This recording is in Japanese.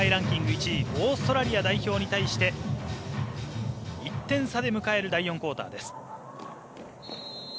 １位オーストラリア代表に対して１点差で迎える第４クオーターです。